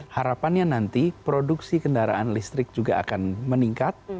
harapannya nanti produksi kendaraan listrik juga akan meningkat